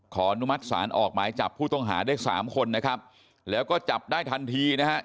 นุมัติศาลออกหมายจับผู้ต้องหาได้สามคนนะครับแล้วก็จับได้ทันทีนะฮะ